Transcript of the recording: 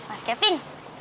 wah mas kevin